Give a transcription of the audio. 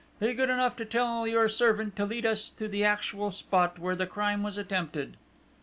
Be good enough to tell your servant to lead us to the actual spot where the crime was attempted."